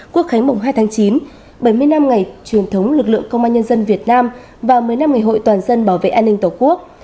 quốc khánh mùng hai tháng chín bảy mươi năm ngày truyền thống lực lượng công an nhân dân việt nam và một mươi năm ngày hội toàn dân bảo vệ an ninh tổ quốc